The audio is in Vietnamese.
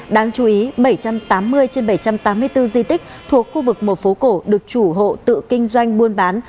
đáng chú ý bảy trăm tám mươi trên bảy trăm tám mươi bốn di tích thuộc khu vực một phố cổ được chủ hộ tự kinh doanh buôn bán